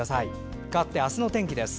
かわって、明日の天気です。